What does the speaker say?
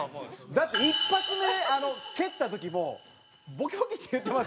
だって１発目蹴った時もボキボキっていってませんでした？